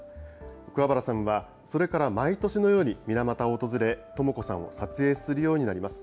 桑原さんはそれから毎年のように水俣を訪れ、智子さんを撮影するようになります。